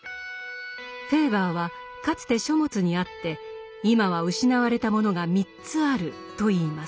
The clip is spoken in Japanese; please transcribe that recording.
フェーバーはかつて書物にあって今は失われたものが３つあると言います。